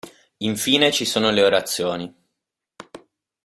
Infine ci sono le Orazioni.